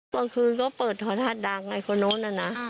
ตอนคืนก็เปิดทราดดังไงคนนู้นอะนะ